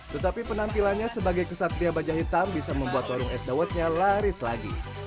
tetapi penampilannya sebagai kesatria baja hitam bisa membuat warung es dawetnya laris lagi